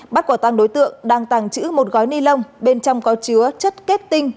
bắt quả tăng đối tượng đang tàng trữ một gói ni lông bên trong có chứa chất kết tinh